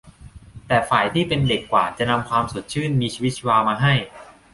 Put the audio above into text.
แต่ฝ่ายที่เป็นเด็กกว่าจะนำความสดชื่นมีชีวิตชีวามาให้